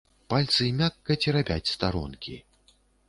Пальцы мякка цярэбяць старонкі.